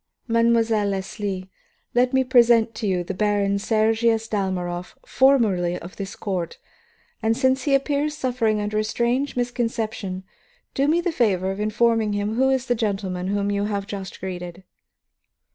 "Mademoiselle Leslie, let me present to you the Baron Sergius Dalmorov, formerly of this court. And, since he appears suffering under a strange misconception, do me the favor of informing him who is the gentleman whom you have just greeted."